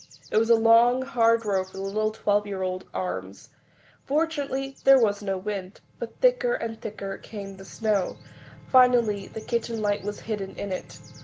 It was a long, hard row for the little twelve year old arms. Fortunately there was no wind. But thicker and thicker came the snow; finally the kitchen light was hidden in it.